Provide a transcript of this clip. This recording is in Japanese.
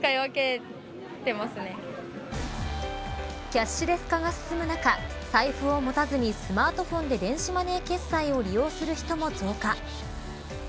キャッシュレス化が進む中財布を持たずにスマートフォンで電子マネー決済を利用する人も増加。